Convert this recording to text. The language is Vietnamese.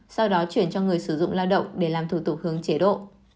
sau đó chuyển cho người sử dụng lao động để làm thủ tục hướng chế độ